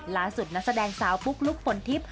ล้านสุดนักแสดงสาวปุ๊บลุกฝนทิพย์